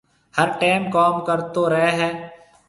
هر ٽيم ڪوم ڪرتو رهي هيَ۔